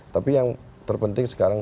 tapi yang terpenting sekarang